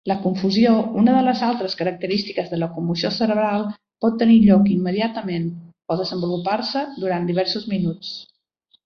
La confusió, una de les altres característiques de la commoció cerebral, pot tenir lloc immediatament o desenvolupar-se durant diversos minuts.